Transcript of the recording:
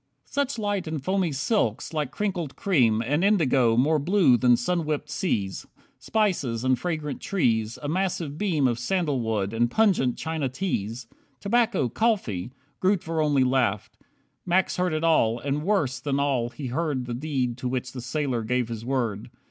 13 Such light and foamy silks, like crinkled cream, And indigo more blue than sun whipped seas, Spices and fragrant trees, a massive beam Of sandalwood, and pungent China teas, Tobacco, coffee!" Grootver only laughed. Max heard it all, and worse than all he heard The deed to which the sailor gave his word.